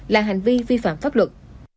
là hành vi vi phạm pháp luật